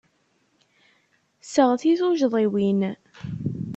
Seɣti tucḍiwin.